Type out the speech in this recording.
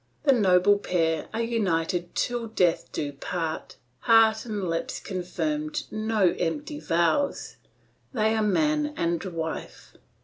The noble pair are united till death do part; heart and lips confirm no empty vows; they are man and wife.